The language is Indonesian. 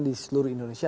di seluruh indonesia